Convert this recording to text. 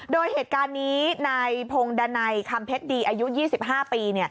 โดยเหตุการณ์นี้ในพงศ์ดาในคำเพชรดีอายุ๒๕ปี